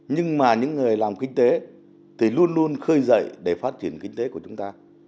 nhưng mà những người làm kinh tế thì luôn luôn khơi dậy để phát triển kinh tế của chúng ta